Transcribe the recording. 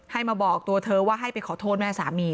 ให้มาบอกตัวเธอว่าให้ไปขอโทษแม่สามี